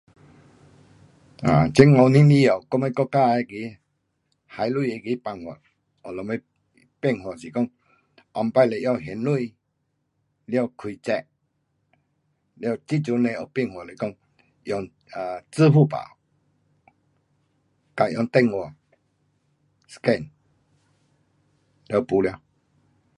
um 这五年以内我们国家那个还钱那个变化讲什么变化是讲以前是用线钱，了开 check, 了这阵的变化是讲用 um 支付宝跟用电话 scan，了没了。